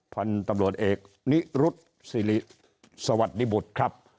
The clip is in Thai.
พันธุ์ตำรวจเอกนิรุธสิริสวัสดีบุตรครับ